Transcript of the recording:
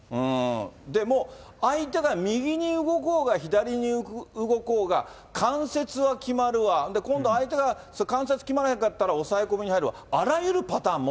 もう、相手が右に動こうが、左に動こうが、関節は決まるわ、今度相手が関節決まらへんかったら抑え込みに入るわ、あらゆるパ